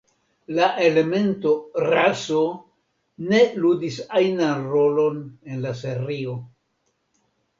La elemento "raso" ne ludis ajnan rolon en la serio.